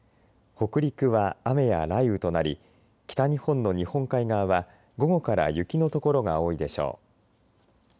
北陸は雨や雷雨となり北日本の日本海側は午後から雪の所が多いでしょう。